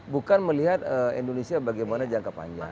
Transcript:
bukan melihat indonesia bagaimana jangka panjang